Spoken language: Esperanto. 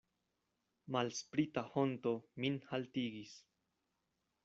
Malsprita honto min haltigis.